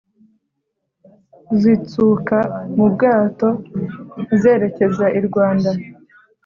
zitsuka mubwato zerekeza irwanda